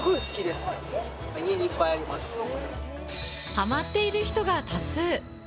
ハマっている人が多数。